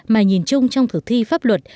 mà nhìn chung trong thực thi pháp luật